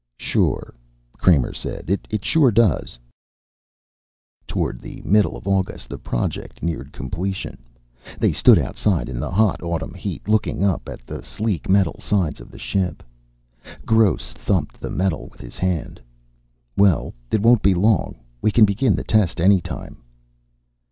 "Sure," Kramer said. "It sure does." Toward the middle of August the project neared completion. They stood outside in the hot autumn heat, looking up at the sleek metal sides of the ship. Gross thumped the metal with his hand. "Well, it won't be long. We can begin the test any time."